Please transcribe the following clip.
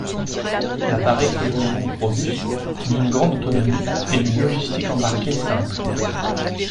L'appareil se voulait donc robuste, d'une grande autonomie et d'une logistique embarquée simple.